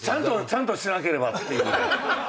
ちゃんとしなければっていう。